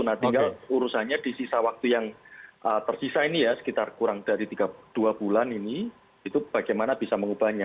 nah tinggal urusannya di sisa waktu yang tersisa ini ya sekitar kurang dari dua bulan ini itu bagaimana bisa mengubahnya